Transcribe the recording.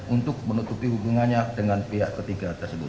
untuk menutupi hubungannya dengan pihak ketiga tersebut